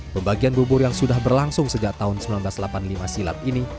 pembagian bubur yang sudah berlangsung sejak tahun seribu sembilan ratus delapan puluh lima silam ini